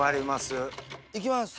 いきます